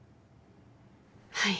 はい。